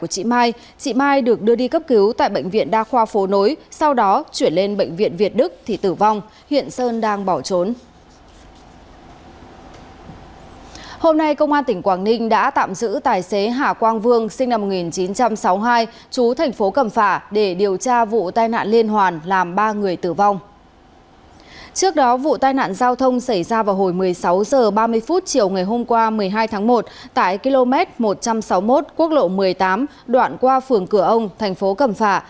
trước đó vụ tai nạn giao thông xảy ra vào hồi một mươi sáu h ba mươi chiều ngày hôm qua một mươi hai tháng một tại km một trăm sáu mươi một quốc lộ một mươi tám đoạn qua phường cửa ông thành phố cầm phạ